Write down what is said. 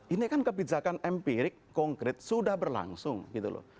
ini kan kebijakan empirik konkret sudah berlangsung gitu loh